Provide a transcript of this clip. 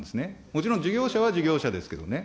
もちろん事業者は事業者ですけどね。